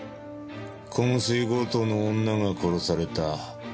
昏睡強盗の女が殺された。